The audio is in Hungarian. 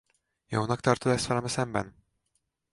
Jónak tartod ezt velem szemben?